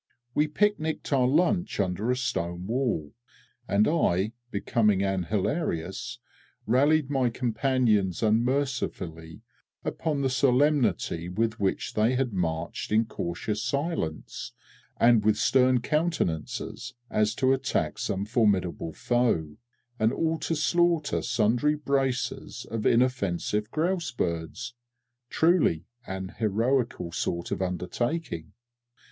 We picnicked our lunch under a stone wall, and I, becoming an hilarious, rallied my companions unmercifully upon the solemnity with which they had marched in cautious silence, and with stern countenances as to attack some formidable foe and all to slaughter sundry braces of inoffensive grouse birds truly an heroical sort of undertaking!